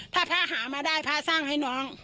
ถ้าพระหามาได้พระสร้างให้น้อง